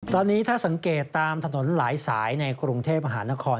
ตอนนี้ถ้าสังเกตตามถนนหลายสายในกรุงเทพมหานคร